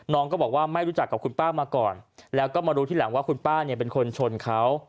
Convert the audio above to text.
น้องก็บอกว่าไม่รู้จักกับคุณป้ามาก่อนแล้วก็มารู้ทีหลังว่าคุณป้าเนี่ยเป็นคนชนเขา